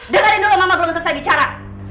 dari dulu mama belum selesai bicara